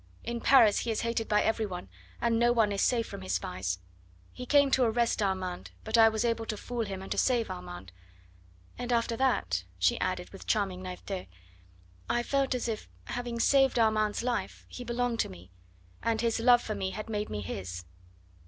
In Paris he is hated by every one, and no one is safe from his spies. He came to arrest Armand, but I was able to fool him and to save Armand. And after that," she added with charming naivete, "I felt as if, having saved Armand's life, he belonged to me and his love for me had made me his."